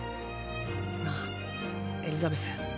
なあエリザベス。